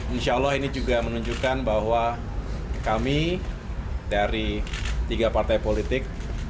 insya allah ini juga menunjukkan bahwa kami dari tiga partai politik